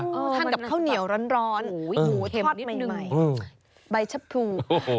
ทานกับข้าวเหนียวร้อนหมูทอดนิดหนึ่งใบชะพรู